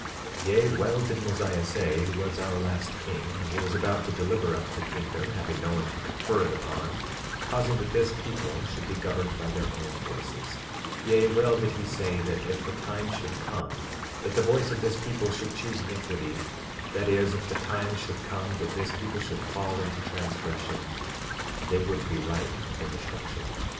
10:19 Yea, well did Mosiah say, who was our last king, when he was about to deliver up the kingdom, having no one to confer it upon, causing that this people should be governed by their own voices—yea, well did he say that if the time should come that the voice of this people should choose iniquity, that is, if the time should come that this people should fall into transgression, they would be ripe for destruction.